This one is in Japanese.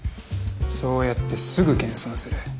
そうやってすぐ謙遜する。